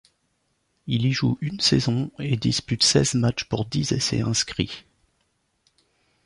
Il y joue une saison, et dispute seize matchs pour dix essais inscrits.